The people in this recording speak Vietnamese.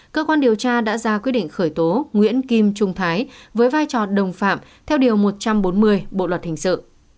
cơ quan điều tra đã ra quyết định khởi tố nguyễn kim trung thái với vai trò đồng phạm theo điều một trăm bốn mươi bộ luật hình sự